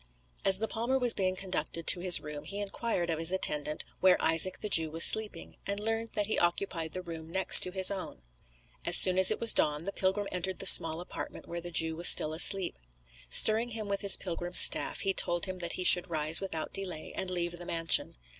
As the palmer was being conducted to his room he inquired of his attendant where Isaac the Jew was sleeping, and learned that he occupied the room next to his own. As soon as it was dawn the pilgrim entered the small apartment where the Jew was still asleep. Stirring him with his pilgrim's staff, he told him that he should rise without delay, and leave the mansion.